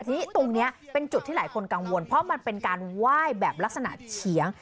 ทีนี้ตรงนี้เป็นจุดที่หลายคนกังวลเพราะมันเป็นการไหว้แบบลักษณะเฉียง